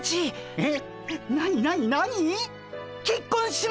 えっ。